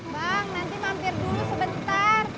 bang nanti mampir dulu sebentar